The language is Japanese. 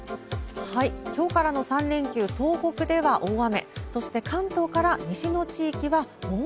きょうからの３連休、東北では大雨。